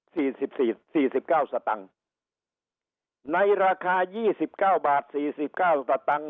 สี่สิบสี่สี่สิบเก้าสตังค์ในราคายี่สิบเก้าบาทสี่สิบเก้าสตังค์